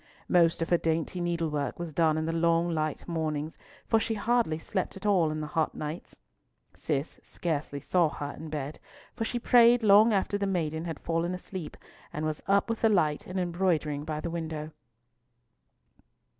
Most of her dainty needlework was done in the long light mornings, for she hardly slept at all in the hot nights. Cis scarcely saw her in bed, for she prayed long after the maiden had fallen asleep, and was up with the light and embroidering by the window.